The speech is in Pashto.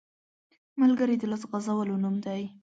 ملګری د لاس غځولو نوم دی